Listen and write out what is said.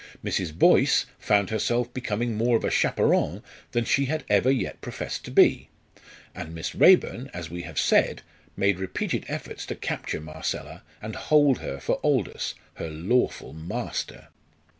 Mrs. Boyce found herself becoming more of a chaperon than she had ever yet professed to be; and Miss Raeburn, as we have said, made repeated efforts to capture Marcella and hold her for Aldous, her lawful master.